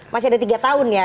masih ada tiga tahun ya